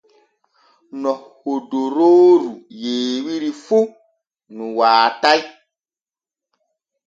No hodorooru yeewiri fu nu waatay.